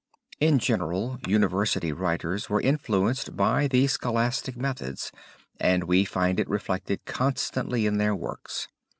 In general, university writers were influenced by the scholastic methods and we find it reflected constantly in their works.